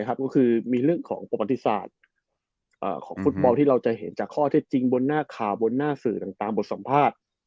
ก็คือมีเรื่องของประวัติศาสตร์ของฟุตบอลที่เราจะเห็นจากข้อเท็จจริงบนหน้าข่าวบนหน้าสื่อต่างบทสัมภาษณ์